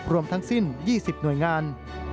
รวมทั้งสิ้น๒๐หน่วยงาน